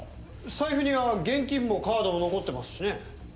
財布には現金もカードも残ってますしね。